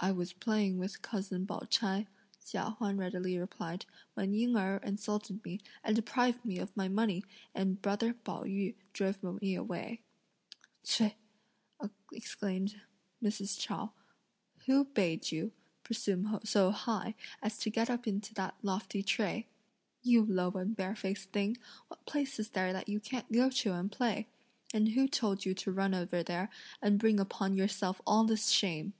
"I was playing with cousin Pao ch'ai," Chia Huan readily replied, "when Ying Erh insulted me, and deprived me of my money, and brother Pao yü drove me away." "Ts'ui!" exclaimed Mrs. Chao, "who bade you (presume so high) as to get up into that lofty tray? You low and barefaced thing! What place is there that you can't go to and play; and who told you to run over there and bring upon yourself all this shame?"